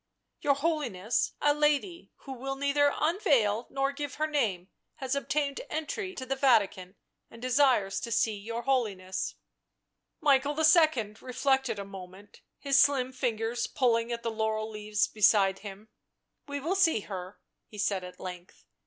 " Your Holiness, a lady, who will neither unveil nor give her name, has obtained entry to the Vatican and desires to see your Holiness." Michael II. reflected a moment, his slim fingers pull ing at the laurel leaves beside him. " We will see her," he said at length.